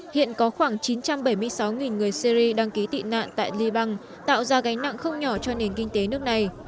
hiện có khoảng chín trăm bảy mươi sáu người syri đăng ký tị nạn tại liban tạo ra gánh nặng không nhỏ cho nền kinh tế nước này